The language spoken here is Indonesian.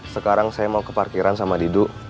sekarang saya mau ke parkiran sama didu